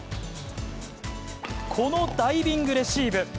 このダイビングレシーブ。